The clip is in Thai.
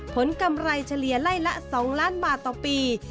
กำไรเฉลี่ยไล่ละ๒ล้านบาทต่อปี